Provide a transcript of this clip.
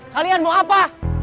kalian mau apa